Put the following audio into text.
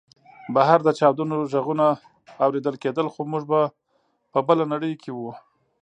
بهر د چاودنو غږونه اورېدل کېدل خو موږ په بله نړۍ کې وو